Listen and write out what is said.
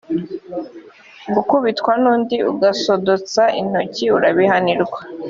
gukubitwa n’undi, ugasodotsa intoki urabihanirwa,